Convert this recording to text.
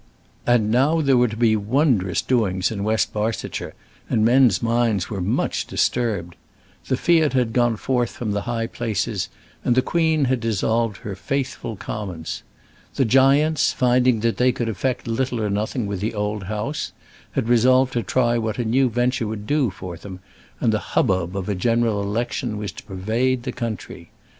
And now there were going to be wondrous doings in West Barsetshire, and men's minds were much disturbed. The fiat had gone forth from the high places, and the Queen had dissolved her faithful Commons. The giants, finding that they could effect little or nothing with the old House, had resolved to try what a new venture would do for them, and the hubbub of a general election was to pervade the country.